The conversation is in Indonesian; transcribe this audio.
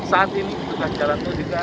saat ini tugas jalan tol juga